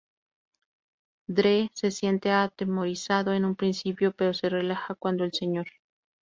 Dre se siente atemorizado en un principio pero se relaja cuando el Sr.